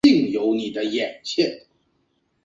科林斯是一个位于美国阿肯色州耶尔县的城镇。